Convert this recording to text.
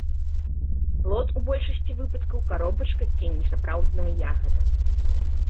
Плод у большасці выпадкаў каробачка ці несапраўдная ягада.